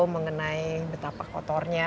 mengenai betapa kotornya